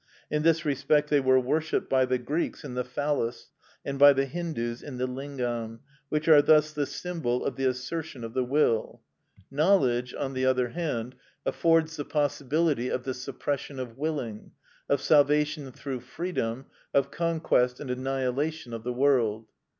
In this respect they were worshipped by the Greeks in the phallus, and by the Hindus in the lingam, which are thus the symbol of the assertion of the will. Knowledge, on the other hand, affords the possibility of the suppression of willing, of salvation through freedom, of conquest and annihilation of the world.